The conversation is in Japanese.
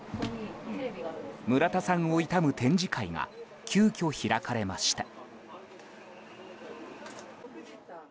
村田さんを悼む展示会が急きょ開かれました。